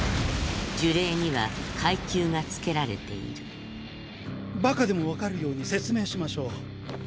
呪霊には階級が付けられているバカでも分かるように説明しましょう。